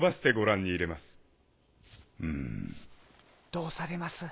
どうされます？